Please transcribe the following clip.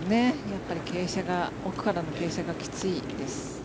やっぱり奥からの傾斜がきついです。